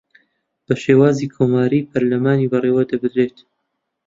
بە شێوازی کۆماریی پەرلەمانی بەڕێوەدەبردرێت